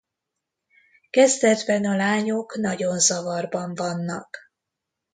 Kezdetben a lányok nagyon zavarban vannak.